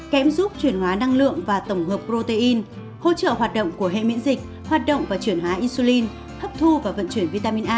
kẽm giúp chuyển hóa năng lượng và tổng hợp protein hỗ trợ hoạt động của hệ miễn dịch hoạt động và chuyển hóa isulin hấp thu và vận chuyển vitamin a